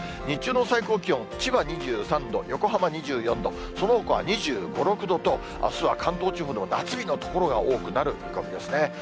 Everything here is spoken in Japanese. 日中の最高気温、千葉２３度、横浜２４度、そのほかは２５、６度と、あすは関東地方でも夏日の所が多くなる見込みですね。